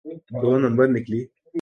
دو number نکلی۔